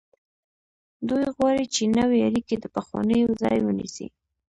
دوی غواړي چې نوې اړیکې د پخوانیو ځای ونیسي.